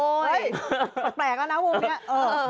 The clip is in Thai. โอ้โฮยแปลกแล้วนะวงเนี้ย